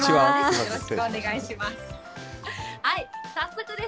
よろしくお願いします。